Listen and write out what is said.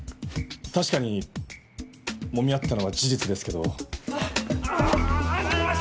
確かにもみあったのは事実ですけど。